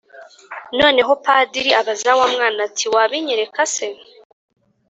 noneho padri abaza wa mwana ati:wabinyereka se?